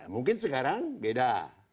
mungkin sekarang beda